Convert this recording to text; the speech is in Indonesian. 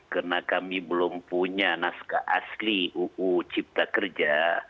karena kami belum punya naskah asli ruu cipta kerja